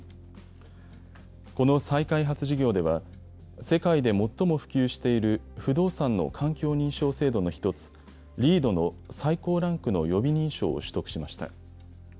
この再開発事業では世界で最も普及している不動産の環境認証制度の１つ、ＬＥＥＤの最高ランクの予備認証を取得しました。